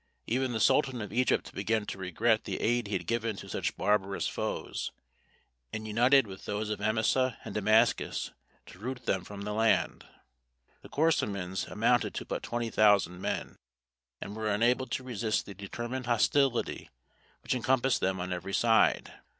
Even the sultan of Egypt began to regret the aid he had given to such barbarous foes, and united with those of Emissa and Damascus to root them from the land. The Korasmins amounted to but twenty thousand men, and were unable to resist the determined hostility which encompassed them on every side.